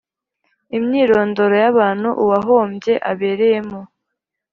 Imyirondoro y abantu uwahombye abereyemo